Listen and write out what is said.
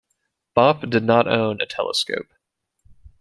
Bopp did not own a telescope.